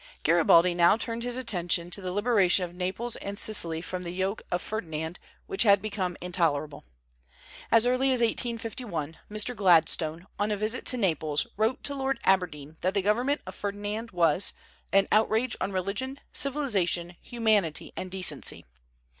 Garibaldi now turned his attention to the liberation of Naples and Sicily from the yoke of Ferdinand, which had become intolerable. As early as 1851, Mr. Gladstone, on a visit to Naples, wrote to Lord Aberdeen that the government of Ferdinand was "an outrage on religion, civilization, humanity, and decency."